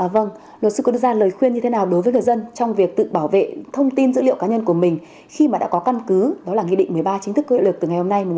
vâng luật sư có đưa ra lời khuyên như thế nào đối với người dân trong việc tự bảo vệ thông tin dữ liệu cá nhân của mình khi mà đã có căn cứ đó là nghị định một mươi ba chính thức có hiệu lực từ ngày hôm nay một nghìn chín trăm tám